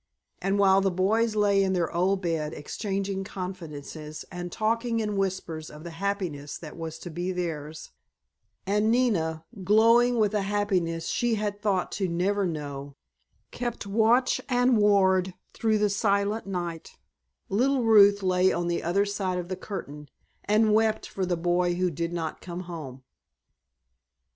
And while the boys lay in their old bed exchanging confidences and talking in whispers of the happiness that was to be theirs, and Nina, glowing with a happiness she had thought to never know, kept watch and ward through the silent night, little Ruth lay at the other side of the curtain and wept for the boy who did not come home.